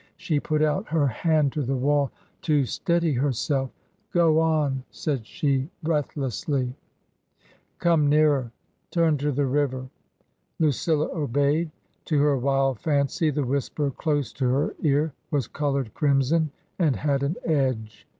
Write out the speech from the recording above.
She put out her hand to the wall to steady herself. " Go on," said she, breathlessly. 23* 270 TRANSITION. " Come nearer. Turn to the river." Lucilla obeyed. To her wild fancy the whisper close to her ear was coloured crimson and had an edge.